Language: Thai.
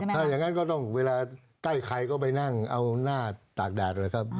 ถ้าอย่างนั้นก็ต้องเวลาใกล้ใครก็ไปนั่งเอาหน้าตากแดดเลยครับ